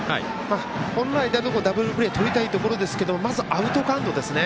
本来だとダブルプレーとりたいところですがまずアウトカウントですね。